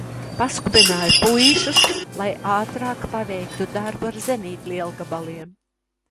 Paskubināju puišus, lai ātrāk paveiktu darbu ar zenītlielgabaliem.